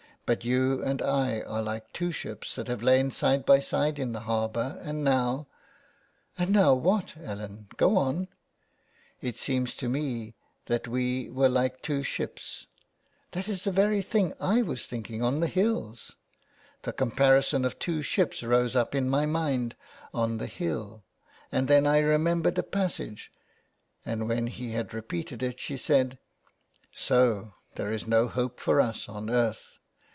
But you and I are like two ships that have lain side by side in the harbour, and now "" And now what, Ellen ?" Go on !"' It seemed to me that we were like two ships." " That is the very thing I was thinking on the hills. The comparison of two ships rose up in my mind on the hill, and then I remembered a passage." And when he had repeated it she said —" So there is no hope for us on earth.